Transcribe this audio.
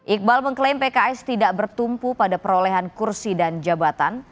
iqbal mengklaim pks tidak bertumpu pada perolehan kursi dan jabatan